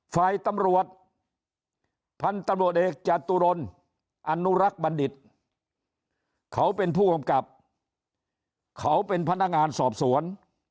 ฝ่ายตำรวจพันธุ์ตำรวจเอกจตุรนอนุรักษ์บัณฑิตเขาเป็นผู้กำกับเขาเป็นพนักงานสอบสวน